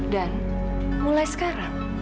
dan mulai sekarang